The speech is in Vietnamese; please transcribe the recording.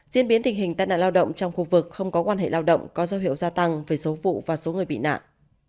diễn biến tình hình tai nạn lao động trong khu vực không có quan hệ lao động có dấu hiệu gia tăng về số vụ và số người bị nạn